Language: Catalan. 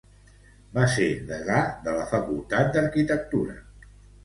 Va ser degà de la Facultat d'Arquitectura.